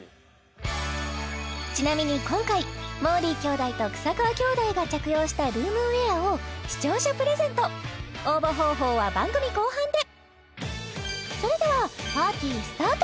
ちなみに今回もーりー兄弟と草川兄弟が着用したルームウエアを視聴者プレゼント応募方法は番組後半でそれではパーティースタート！